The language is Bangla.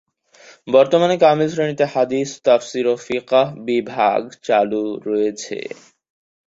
বর্তমানে কামিল শ্রেণীতে হাদীস, তাফসীর ও ফিকহ্ বিভাগ চালু রয়েছে।